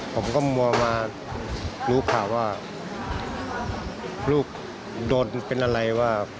ผมก็มัวมารู้ข่าวว่าลูกโดนเป็นอะไรว่า